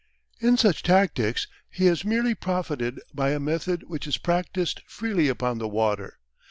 In such tactics he has merely profited by a method which is practised freely upon the water.